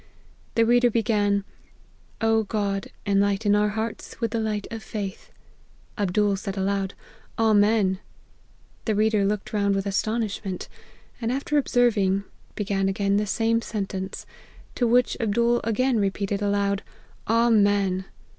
The reader began :' O God, enlighten our hearts with the light of faith !' Ab dool said aloud, * Amen !' The reader looked round with astonishment ; and after observing, be gan again the same sentence ; to which Abdool again repeated aloud, * Amen